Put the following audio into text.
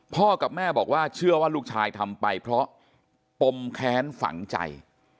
กับแม่บอกว่าเชื่อว่าลูกชายทำไปเพราะปมแค้นฝังใจ